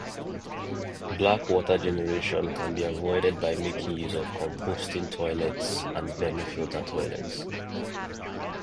Blackwater generation can be avoided by making use of composting toilets and vermifilter toilets.